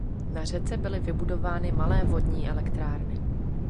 Na řece byly vybudovány malé vodní elektrárny.